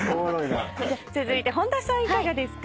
続いて本田さんいかがですか？